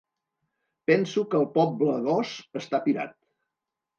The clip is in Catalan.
Penso que el poble gos està pirat.